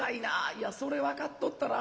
いやそれ分かっとったら